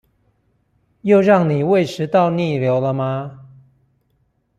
又讓你胃食道逆流了嗎？